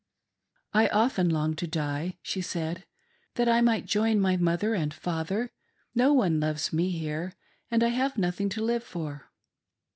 " I often long to die," she said, "that I might join my mother and father ; no one loves me here, and I have nothing to live for."